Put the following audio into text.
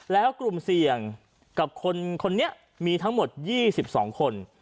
แล้วกลุ่มเสี่ยงกับคนนี้มีทั้งหมด๒๒คน